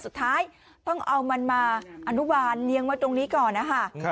สุดท้ายต้องเอามันมาอนุบาลเลี้ยงไว้ตรงนี้ก่อนนะคะ